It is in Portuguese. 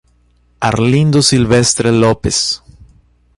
Arlindo Silvestre Lopes